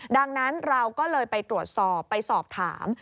ดังนั้นเราก็เลยไปตรวจสอบไปสอบถาม